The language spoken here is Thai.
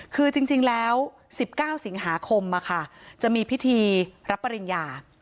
คือจริงแล้ว๑๙สิงหาคมจะมีพิธีรับปริญญา